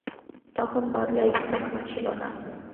তখন বদলাইবার সময় ছিল না।